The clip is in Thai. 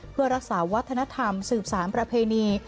เพื่อรักษาวัฒนธรรมสืบสารประเพณี